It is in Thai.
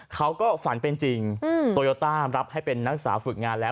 เขาก็ฝันเป็นจริงโตโยต้ารับให้เป็นนักศึกษาฝึกงานแล้ว